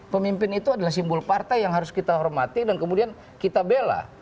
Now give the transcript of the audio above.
pemimpin itu adalah simbol partai yang harus kita hormati dan kemudian kita bela